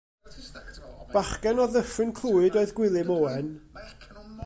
Bachgen o Ddyffryn Clwyd oedd Gwilym Owen.